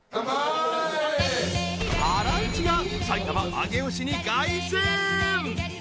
ハライチが埼玉・上尾市に凱旋！